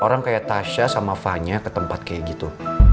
orang kayak tasya sama fahnya ke tempat kayak gitu